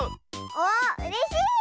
おっうれしい！